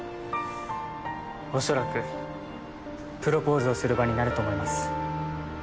おそらくプロポーズをする場になると思います。